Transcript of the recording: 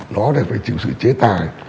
nó là phải chịu sự chế tài